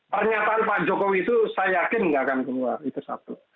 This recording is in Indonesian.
pernyataan pak jokowi itu saya yakin nggak akan keluar itu satu